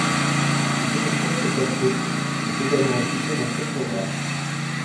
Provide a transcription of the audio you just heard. Le télescope est également équipé d'un spectrographe.